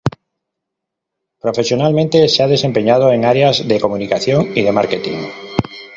Profesionalmente se ha desempeñado en áreas de comunicación y de marketing.